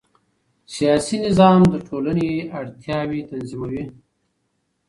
سیاسي نظام د ټولنې اړتیاوې تنظیموي